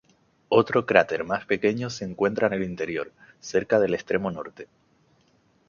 Otro cráter más pequeño se encuentra en el interior, cerca del extremo norte.